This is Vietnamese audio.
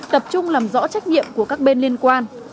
tập trung làm rõ trách nhiệm của các bên liên quan